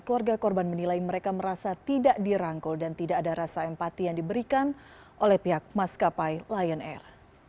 keluarga korban menilai mereka merasa tidak dirangkul dan tidak ada rasa empati yang diberikan oleh pihak maskapai lion air